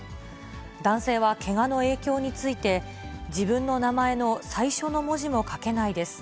男性はけがの影響について、自分の名前の最初の文字も書けないです。